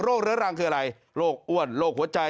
เรื้อรังคืออะไรโรคอ้วนโรคหัวใจ